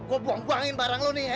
gue buang buangin barang lo nih ya